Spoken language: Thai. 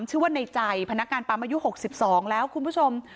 ชื่อว่าในใจพนักงานปั๊มอายุ๖๒แล้วคุณผู้ชม